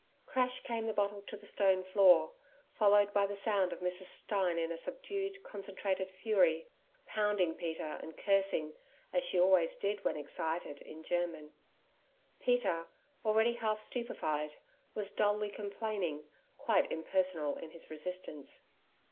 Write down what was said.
Crash came the bottle to the stone floor, followed by the sound of Mrs. Stein in a subdued, concentrated fury, pounding Peter and cursing, as she always did when excited, in German. Peter, already half stupefied, was dully complaining, quite impersonal in his resistance.